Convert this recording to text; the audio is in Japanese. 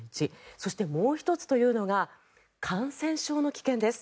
そして、もう１つというのが感染症の危険です。